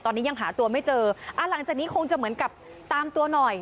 ตอนนี้ยังหาตัวไม่เจออ่าหลังจากนี้คงจะเหมือนกับตามตัวหน่อย